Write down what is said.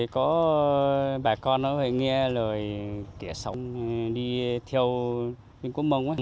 có bà con nghe lời kẻ sống đi theo quân quốc mông